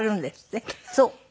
そう。